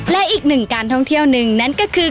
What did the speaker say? และอีกหนึ่งการท่องเที่ยวหนึ่งนั้นก็คือ